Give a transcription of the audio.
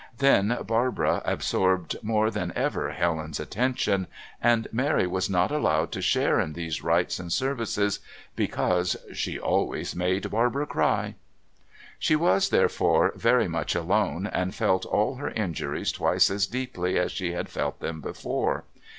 Then, Barbara absorbed more than ever of Helen's attention, and Mary was not allowed to share in these rites and services because "she always made Barbara cry." She was, therefore, very much alone, and felt all her injuries twice as deeply as she had felt them before.